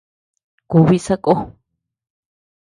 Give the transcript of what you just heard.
Kùbi sakó.